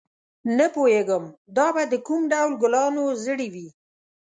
نه پوهېږم دا به د کوم ډول ګلانو زړي وي.